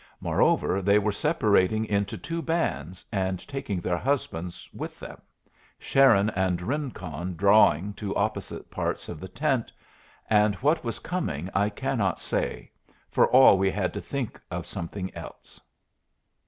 Moreover, they were separating into two bands and taking their husbands with them Sharon and Rincon drawing to opposite parts of the tent and what was coming I cannot say; for we all had to think of something else.